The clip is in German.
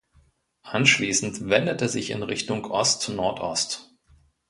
Anschließend wendet er sich in Richtung Ostnordost.